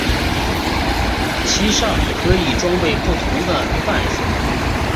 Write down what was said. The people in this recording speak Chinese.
其上可以装备不同的范数。